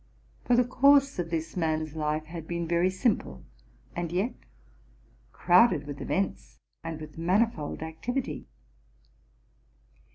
For the course of this man's life had been very simple, and yet crowded with events and with manifold activity.